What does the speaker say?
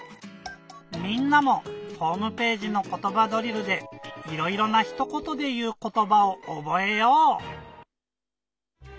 みんなもホームページの「ことばドリル」でいろいろなひとことでいうことばをおぼえよう！